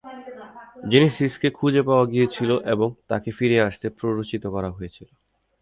জেনেসিসকে খুঁজে পাওয়া গিয়েছিল এবং তাকে ফিরে আসতে প্ররোচিত করা হয়েছিল।